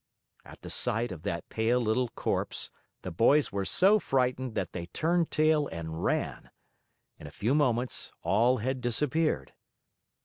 At the sight of that pale little corpse, the boys were so frightened that they turned tail and ran. In a few moments, all had disappeared.